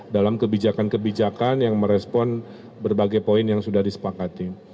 dalam kebijakan kebijakan yang merespon berbagai poin yang sudah disepakati